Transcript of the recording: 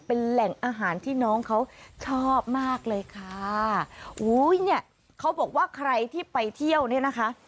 เป็นแหล่งอาหารที่น้องเขาชอบมากเลยค่ะอุ้ยเนี่ยเขาบอกว่าใครที่ไปเที่ยวเนี่ยนะคะ